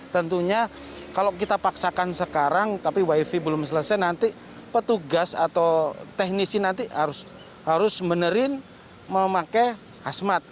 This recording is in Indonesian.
tentunya kalau kita paksakan sekarang tapi wifi belum selesai nanti petugas atau teknisi nanti harus benerin memakai hasmat